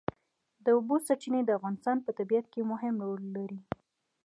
د اوبو سرچینې د افغانستان په طبیعت کې مهم رول لري.